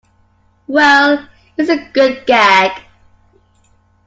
Well, it's a good gag.